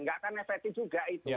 nggak akan efektif juga itu